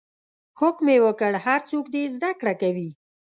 حکم یې وکړ هر څوک دې زده کړه کوي.